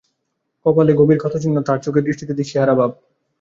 কপালে গভীর ক্ষতচিহ্ন, তাঁর চোখের দৃষ্টিতে দিশেহারা ভাব।